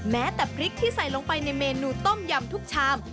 แม้แต่พริกที่ใส่ลงไปในเมนูต้มยำทุกชาม